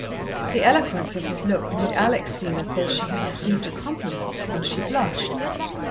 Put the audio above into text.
The eloquence of his look made Alex feel as though she had received a compliment, and she blushed.